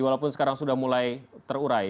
walaupun sekarang sudah mulai terurai